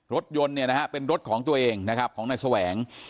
รถยนต์เนี่ยนะฮะเป็นรถของตัวเองนะครับของนายแสวง